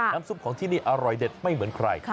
ซุปของที่นี่อร่อยเด็ดไม่เหมือนใคร